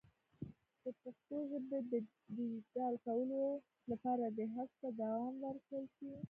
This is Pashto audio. د پښتو ژبې د ډیجیټل کولو لپاره دې هڅو ته دوام ورکړل شي.